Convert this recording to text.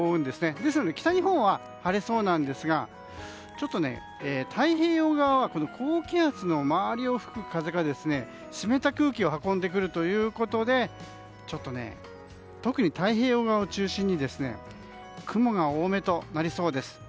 ですので北日本は晴れそうなんですがちょっと太平洋側は高気圧の周りを吹く風が湿った空気を運んでくるということでちょっと特に太平洋側を中心に雲が多めとなりそうです。